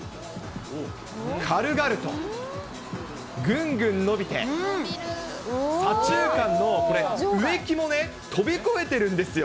軽々と、ぐんぐん伸びて、左中間のこれ、植木もね、飛び越えてるんですよ。